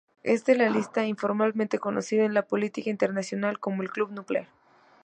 Esta lista es informalmente conocida en la política internacional como ""El club nuclear"".